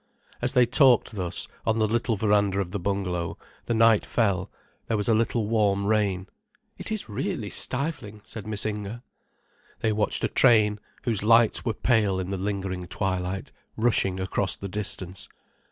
As they talked thus, on the little verandah of the bungalow, the night fell, there was a little warm rain. "It is really stifling," said Miss Inger. They watched a train, whose lights were pale in the lingering twilight, rushing across the distance.